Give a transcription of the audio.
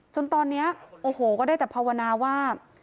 จนตอนนี้โอ้โหก็ได้แต่ภาวนาว่า